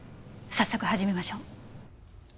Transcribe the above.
早速始めましょう。